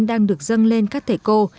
đang được dâng lên các thể cô